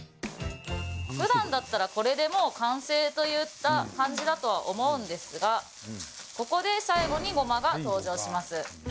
ふだんだったらこれでもう完成といった感じだと思うんですがここで最後にごまが登場します。